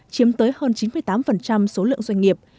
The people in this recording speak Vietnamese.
chiếm tới hơn chín mươi tám số lượng doanh nghiệp